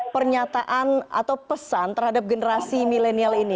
pernyataan atau pesan terhadap generasi milenial ini